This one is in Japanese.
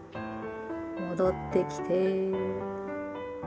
戻ってきて。